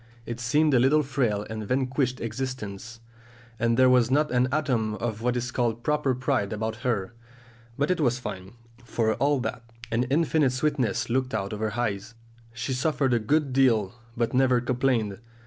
It seemed a little frail and vanquished existence, and there was not an atom of what is called proper pride about her; but it was fine, for all that! An infinite sweetness looked out of her eyes; she suffered a good deal, but never complained.